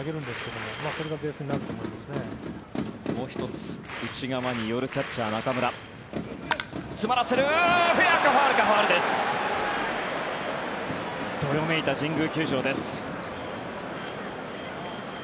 どよめいた神宮球場です。